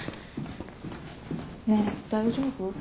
ねえ大丈夫？